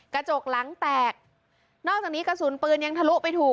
กระจกหลังแตกนอกจากนี้กระสุนปืนยังทะลุไปถูก